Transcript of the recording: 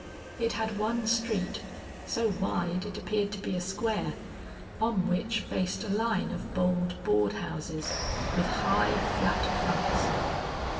It had one street, so wide it appeared to be a square, on which faced a line of bold board houses with high, flat fronts.